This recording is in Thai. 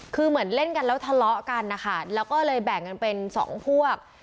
คือเหมือนเล่นกันแล้วทะเลาะกันนะคะแล้วก็เลยแบ่งกันเป็นสองพวก